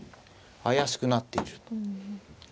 怪しくなっていると。